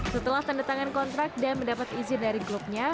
setelah tanda tangan kontrak dan mendapat izin dari klubnya